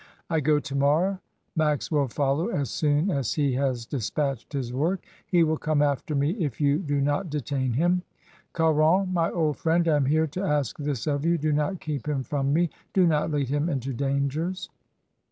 "I go to morrow. Max will follow as soon as he has despatched his work. He will come after me if you do not detain him. Caron, my old friend, I am here to ask this of you — do not keep him from me, do not lead him into dangers."